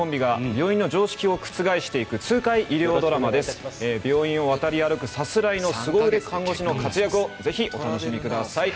病院を渡り歩く凄腕のさすらい看護師の活躍をぜひお楽しみください。